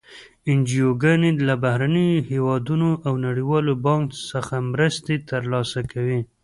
انجوګانې له بهرنیو هېوادونو او نړیوال بانک څخه مرستې تر لاسه کوي.